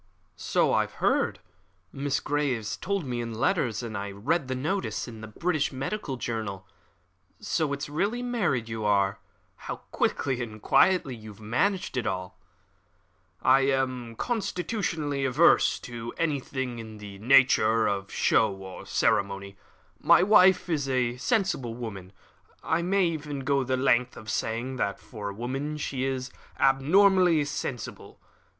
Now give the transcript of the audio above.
"So I heard. Miss Grey told me in her letters, and I read the notice in the British Medical Journal. So it's really married you are. How quickly and quietly you have managed it all!" "I am constitutionally averse to anything in the nature of show or ceremony. My wife is a sensible woman I may even go the length of saying that, for a woman, she is abnormally sensible.